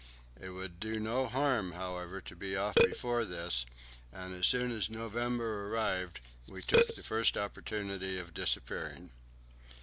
It would do no harm, however, to be off before this, and as soon as November arrived we took the first opportunity of disappearing.